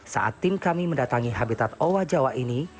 ketika orang datang ke habitat owa jawa ini